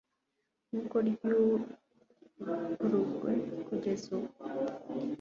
nkuko ry'avuguruwe kugeza ubu